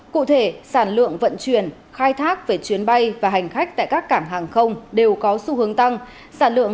cụ thể sản lượng vận chuyển khai thác về chuyến bay và hành khách tại các cảng hàng không đều có xu hướng tăng sản lượng